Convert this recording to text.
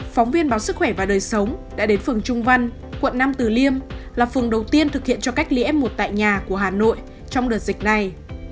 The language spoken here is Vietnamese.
phóng viên báo sức khỏe và đời sống đã đến phường trung văn quận nam từ liêm là phường đầu tiên thực hiện cho cách ly f một tại nhà của hà nội trong đợt dịch này